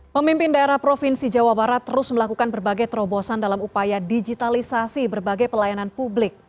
pemimpin daerah provinsi jawa barat terus melakukan berbagai terobosan dalam upaya digitalisasi berbagai pelayanan publik